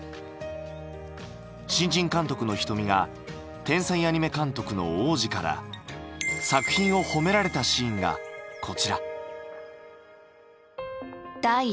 新人監督の瞳が天才アニメ監督の王子から作品を褒められたシーンがこちら。